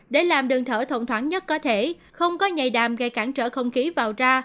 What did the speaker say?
để làm đường thở thông thoáng nhất có thể không có nhạy đàm gây cản trở không khí vào ra